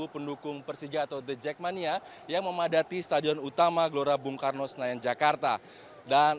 pendukung persija atau the jackmania yang memadati stadion utama gelora bung karno senayan jakarta dan